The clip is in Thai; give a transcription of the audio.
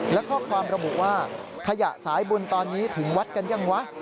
และข้อความระบุว่าขยะสายบุญตอนนี้ถึงวัดกันยังวะ